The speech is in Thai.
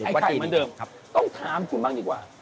ให้ไข่มาเดิมต้องท้ามหัวละคุณบ้างดีกว่า